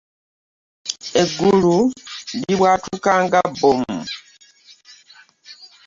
Eggulu libwatuka nga bbomu.